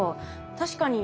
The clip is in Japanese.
確かに。